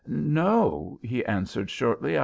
"No," he answered, shortly.